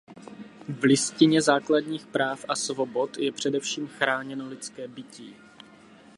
V Listině základních práv a svobod je především chráněno lidské bytí.